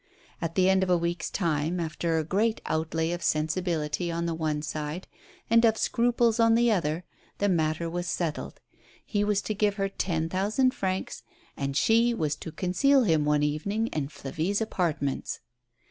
At the end of a week's time, after a great outlay of sen sibility on the one side and of scruples on the other, the matter was settled ; he was to give her ten thousand francs, and she was to conceal him one evening in Fla vie's apartments.